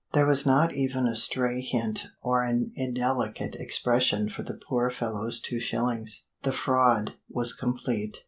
There was not even a stray hint or an indelicate expression for the poor fellow's two shillings. The fraud, was complete.